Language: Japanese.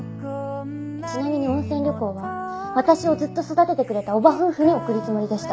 ちなみに温泉旅行は私をずっと育ててくれた叔母夫婦に贈るつもりでした。